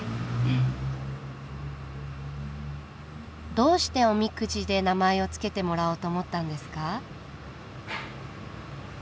どうしておみくじで名前を付けてもらおうと思ったんですか？